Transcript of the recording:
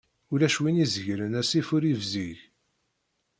Ulac wi izegren asif ur ibzig.